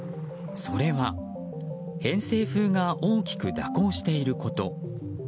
それは偏西風が大きく蛇行していること。